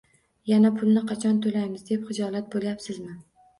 Yana pulini qachon toʻlaymiz, deb hijolat boʻlyapsizmi